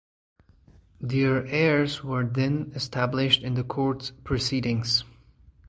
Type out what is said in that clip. Their heirs were then established in the Court proceedings.